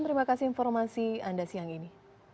terima kasih informasi anda siang ini